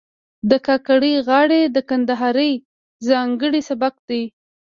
د کاکړۍ غاړې د کندهار ځانګړی سبک دی.